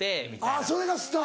あっそれがスター。